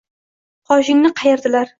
Qoshingni qayirdilar